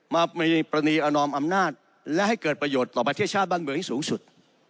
มาปรณีอนอมอำนาจและให้เกิดประโยชน์ต่อประเทศชาติบ้านเมืองให้สูงสุด